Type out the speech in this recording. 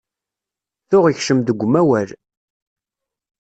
Tuɣ ikcem deg umawal.